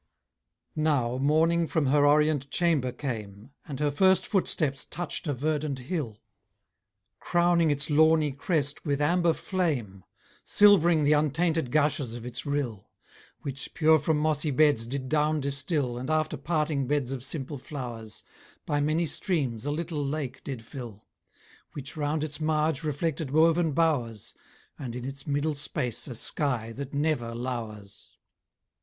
Now Morning from her orient chamber came, And her first footsteps touch'd a verdant hill; Crowning its lawny crest with amber flame, Silv'ring the untainted gushes of its rill; Which, pure from mossy beds, did down distill, And after parting beds of simple flowers, By many streams a little lake did fill, Which round its marge reflected woven bowers, And, in its middle space, a sky that never lowers.